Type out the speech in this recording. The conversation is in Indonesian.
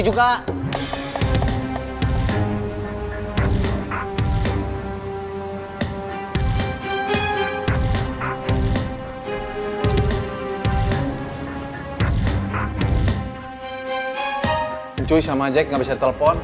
gak ada yang kabur